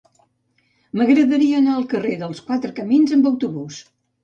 M'agradaria anar al carrer dels Quatre Camins amb autobús.